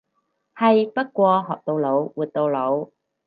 係，不過學到老活到老。